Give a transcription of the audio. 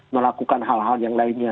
melakukan hal hal yang lainnya